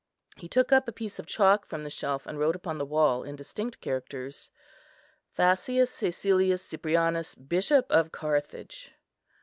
He took up a piece of chalk from the shelf, and wrote upon the wall in distinct characters, "Thascius Cæcilius Cyprianus, Bishop of Carthage."